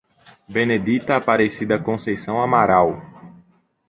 Benedita Aparecida Conceição Amaral